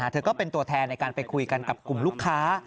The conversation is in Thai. เธอก็เป็นตัวแทนในการไปคุยกันกับกลุ่มลูกค้า